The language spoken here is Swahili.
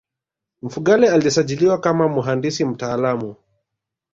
Mfugale alisajiliwa kama muhandisi mtaalamu